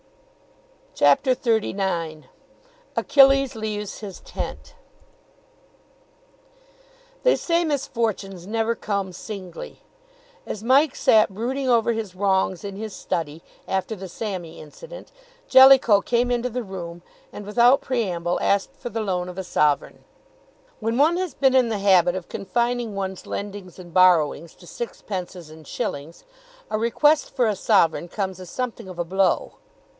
CHAPTER XXXIX ACHILLES LEAVES HIS TENT They say misfortunes never come singly. As Mike sat brooding over his wrongs in his study, after the Sammy incident, Jellicoe came into the room, and, without preamble, asked for the loan of a sovereign. When one has been in the habit of confining one's lendings and borrowings to sixpences and shillings, a request for a sovereign comes as something of a blow.